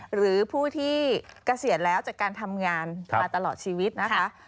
หรือผู้ที่เกษียณแล้วจากการทำงานมาตลอดชีวิตนะคะ